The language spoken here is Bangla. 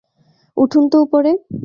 উঠুন তো উপরে।